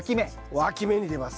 わき芽に出ます。